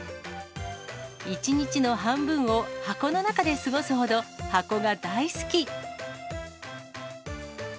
一日の半分を箱の中で過ごすほど、箱が大好き。